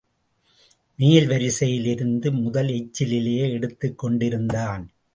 மேல் வரிசையிலிருந்த முதல் எச்சில் இலையை எடுத்துக் கொண்டிருந்தான்.